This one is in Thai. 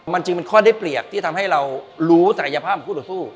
มันจึงเป็นข้อได้เปรียบที่ทำให้เรารู้ศักยภาพของคู่ต่อสู้